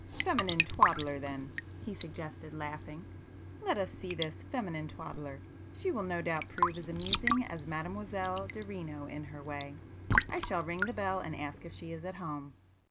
"Feminine twaddler, then!" he suggested, laughing—"Let us see this feminine twaddler. She will no doubt prove as amusing as Mademoiselle Derino in her way. I shall ring the bell and ask if she is at home."